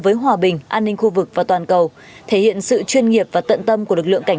với hòa bình an ninh khu vực và toàn cầu thể hiện sự chuyên nghiệp và tận tâm của lực lượng cảnh